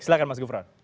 silahkan mas gufron